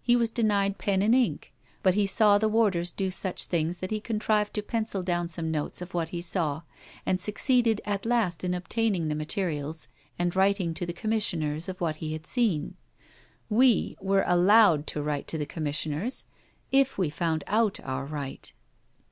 He was denied pen and ink; but he saw the warders do such things that he contrived to pencil down some notes of what he saw, and succeeded at last in obtaining the materials, and writing to the Commissioners of what he had seen. 'We' were allowed to write to the Commissioners, if we found out our right.